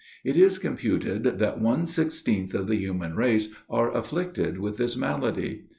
It is computed that one sixteenth of the human race are afflicted with this malady.